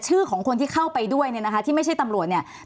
ชื่อของคนที่เข้าไปด้วยเนี่ยนะคะที่ไม่ใช่ตำรวจเนี่ย